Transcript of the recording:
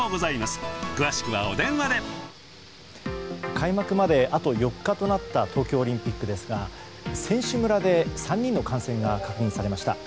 開幕まであと４日となった東京オリンピックですが選手村で３人の感染が確認されました。